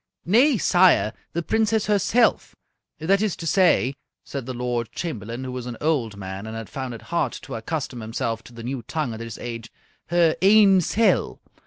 "Nay, sire, the Princess herself that is to say," said the Lord Chamberlain, who was an old man and had found it hard to accustom himself to the new tongue at his age, "her ain sel'!